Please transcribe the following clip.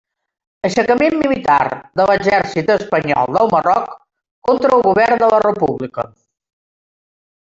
Aixecament militar de l'exèrcit espanyol del Marroc contra el govern de la República.